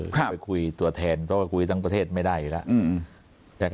ไปคุยตัวแทนเพราะว่าคุยทั้งประเทศไม่ได้อยู่แล้ว